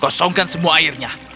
kosongkan semua airnya